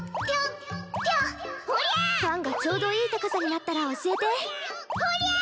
パンがちょうどいい高さになったら教えておりゃ！